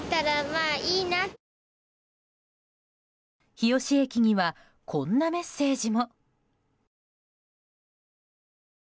日吉駅にはこんなメッセージも。